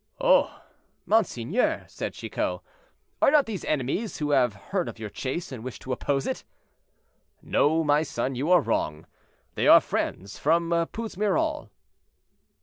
"Oh! monseigneur," said Chicot, "are not these enemies who have heard of your chase, and wish to oppose it?" "No, my son, you are wrong; they are friends from Puzmirol."